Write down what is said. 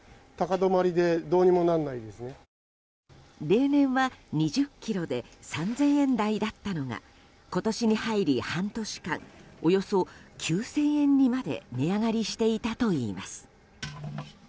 例年は、２０ｋｇで３０００円台だったのが今年に入り半年間およそ９０００円にまで値上がりしていたといいます。